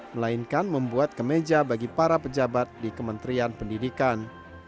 melainkan membuat kemeja bagi para pejabat di kementerian pendidikan